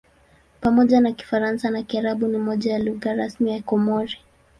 Pamoja na Kifaransa na Kiarabu ni moja ya lugha rasmi ya Komori.